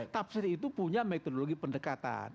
tafsir itu punya metodologi pendekatan